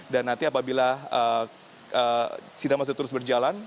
dan nanti apabila sidang masih terus berjalan